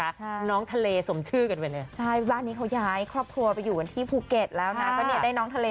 โดนซายแล้วประวัติไม่โดน